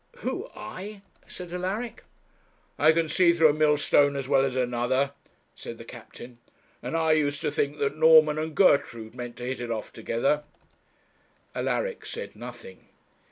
'Who I?' said Alaric. 'I can see through a millstone as well as another,' said the captain; 'and I used to think that Norman and Gertrude meant to hit it off together.' Alaric said nothing.